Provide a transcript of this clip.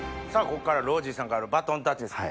ここからロージーさんからバトンタッチです。